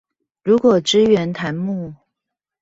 如果支援彈幕